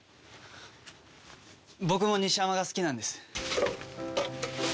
僕も西山が好きなんです。